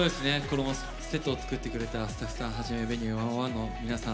セットを作ってくれたスタッフさんはじめ「Ｖｅｎｕｅ１０１」の皆さん。